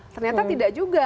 ternyata tidak juga